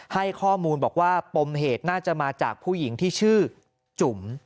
ให้ข้อมูลบอกว่าปมเหตุน่าจะมาจากผู้หญิงที่ชื่อจุ๋ม